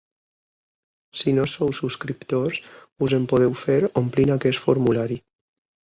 Si no sou subscriptors, us en podeu fer omplint aquest formulari.